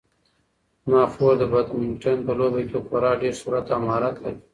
زما خور د بدمینټن په لوبه کې خورا ډېر سرعت او مهارت لري.